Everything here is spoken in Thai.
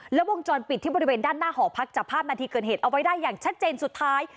แล้ววงจรปิดที่บริเวณด้านหน้าหอพักจับภาพนาทีเกิดเหตุเอาไว้ได้อย่างชัดเจนสุดท้าย